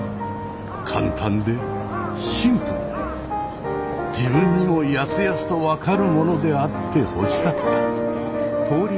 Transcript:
簡単でシンプルで自分にもやすやすと分かるものであってほしかった。